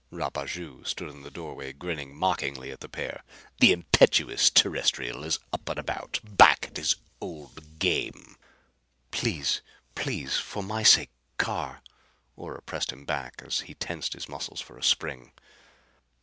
Rapaju stood in the doorway, grinning mockingly at the pair. "The impetuous Terrestrial is up and about. Back at his old game!" "Please, please, for my sake, Carr!" Ora pressed him back as he tensed his muscles for a spring.